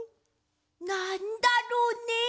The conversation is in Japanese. なんだろうね？